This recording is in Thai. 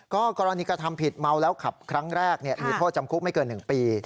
กรณีกระทำผิดเมาแล้วขับครั้งแรกมีโทษจำคุกไม่เกิน๑ปี